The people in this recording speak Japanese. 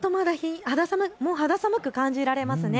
もう肌寒く感じられますね。